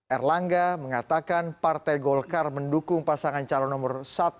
erlangga mengatakan partai golkar mendukung pasangan calon nomor satu